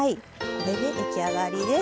これで出来上がりです。